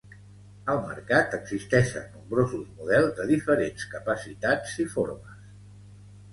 Al mercat existeixen nombrosos models de diferents capacitats i formes.